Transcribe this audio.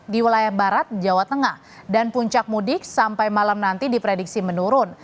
di wilayah barat jawa tengah dan puncak mudik sampai malam nanti diprediksi menurun